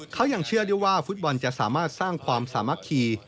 เขายังเชื่อได้ว่าฟุตบอลจะสามารถสร้างความสามัคคี